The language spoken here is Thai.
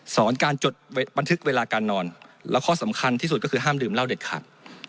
สอนการจดบันทึกเวลาการนอนและข้อสำคัญที่สุดก็คือห้ามดื่มเหล้าเด็ดขาด